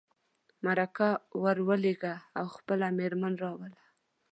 مرکه ور ولېږه او خپله مېرمن راوله.